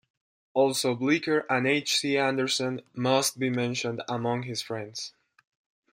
Also Blicher and H. C. Andersen must be mentioned among his friends.